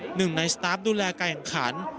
หนึ่งในสตาร์ฟดูแลการแข่งขัน